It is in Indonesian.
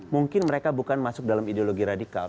mungkin mereka bukan masuk dalam ideologi radikal